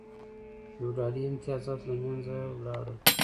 فیوډالي امتیازات له منځه لاړل.